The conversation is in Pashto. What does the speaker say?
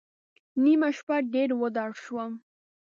نیمه شپه ډېر وډار شوم.